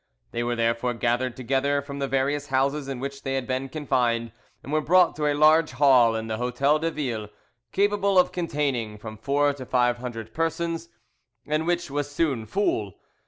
They were therefore gathered together from the various houses in which they had been confined, and were brought to a large hall in the Hotel de Ville, capable of containing from four to five hundred persons, and which was soon full.